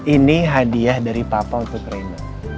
ini hadiah dari papa untuk reinhard